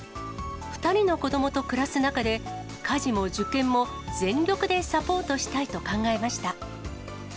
２人の子どもと暮らす中で、家事も受験も全力でサポートしたいと考えました。